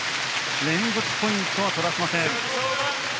連続ポイントは取らせません。